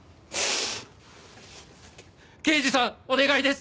刑事さんお願いです！